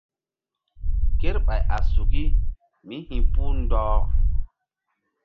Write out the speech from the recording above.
Kerɓay a suki mí hi̧puh ɗɔh.